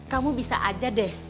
kamu bisa aja deh